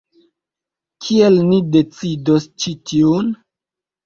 Kiel ni decidos ĉi tiun?